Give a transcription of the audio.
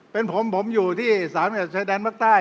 เป็นผมผมอยู่ที่สามเหนือชายแดนเมืองใต้